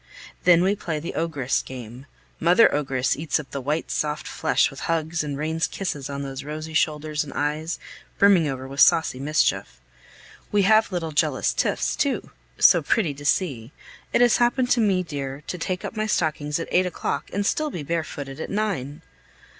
Then we play the ogress game; mother ogress eats up the white, soft flesh with hugs, and rains kisses on those rosy shoulders and eyes brimming over with saucy mischief; we have little jealous tiffs too, so pretty to see. It has happened to me, dear, to take up my stockings at eight o'clock and be still bare footed at nine!